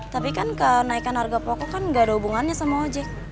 tapi kan kenaikan harga pokok kan gak ada hubungannya sama ojek